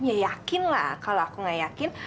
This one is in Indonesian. ya yakin lah kalo aku gak yakin